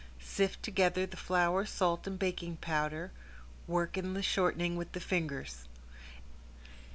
Sift together the flour, salt, and baking powder, work in the shortening with the fingers.